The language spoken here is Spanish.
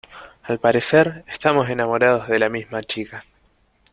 al parecer, estamos enamorados de la misma chica